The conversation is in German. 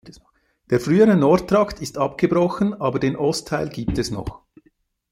Der frühere Nordtrakt ist abgebrochen, aber den Ostteil gibt es noch.